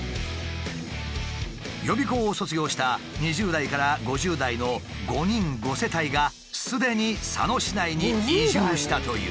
予備校を卒業した２０代から５０代の５人５世帯がすでに佐野市内に移住したという。